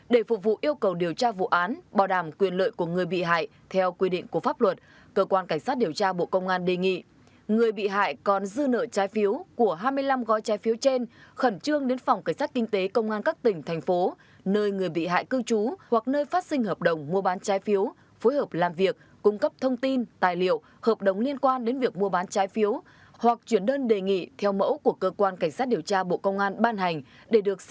để phục vụ yêu cầu điều tra vụ án bảo đảm quyền lợi của người bị hại theo quy định của pháp luật cơ quan cảnh sát điều tra bộ công an đề nghị người bị hại còn dư nợ trái phiếu của hai mươi năm gói trái phiếu trên khẩn trương đến phòng cảnh sát kinh tế công an các tỉnh thành phố nơi người bị hại cư trú hoặc nơi phát sinh hợp đồng mua bán trái phiếu phối hợp làm việc cung cấp thông tin tài liệu hợp đồng liên quan đến việc mua bán trái phiếu hoặc chuyển đơn đề nghị theo mẫu của cơ quan cảnh sát điều tra bộ công an ban hành để